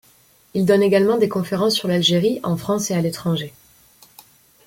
Il donne également des conférences sur l’Algérie en France et à l’étranger.